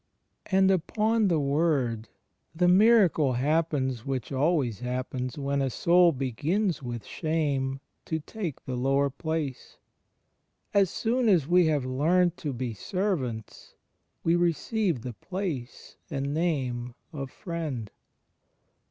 ... And, upon the word, the miracle happens which always happens when a soul begins with shame to take the lower place. As soon as we have learnt to be ser vants we receive the place and name of Friend.